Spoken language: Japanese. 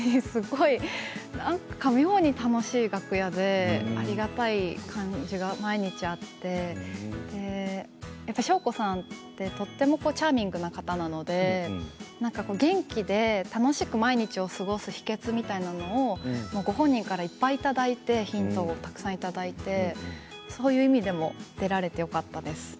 妙に楽しい楽屋でありがたい感じが毎日あって聖子さんってとてもチャーミングな方なので元気で、楽しく毎日を過ごす秘けつみたいなものをご本人からいっぱいいただいてヒントをたくさんいただいてそういう意味でも出られてよかったです。